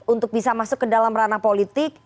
untuk bisa masuk ke dalam ranah politik